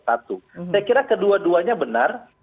saya kira kedua duanya benar